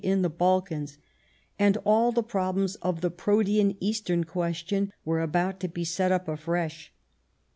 BSSta "'' in the Balkans, and all the problems of the Protean Eastern question were about to be set up afresh.